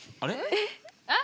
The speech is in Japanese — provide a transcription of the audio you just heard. えっ？